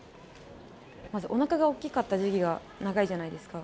まずおなかが大きかった時期が長いじゃないですか。